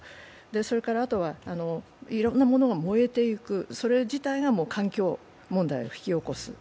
あとはいろんなものが燃えていく、それ自体が環境問題を引き起こす。